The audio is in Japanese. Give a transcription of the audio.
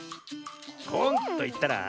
「こん」といったら？